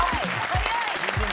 早い！